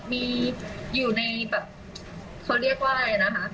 มีอยู่ในแบบเขาเรียกว่าอะไรนะคะ